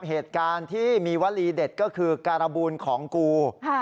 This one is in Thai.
เหตุการณ์ที่มีวลีเด็ดก็คือการบูลของกู